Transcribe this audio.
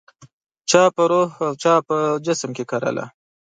چا په روح او چا په جسم کې کرله